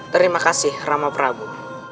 terima kasih rama prabu